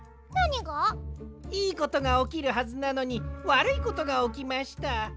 なにが？いいことがおきるはずなのにわるいことがおきました。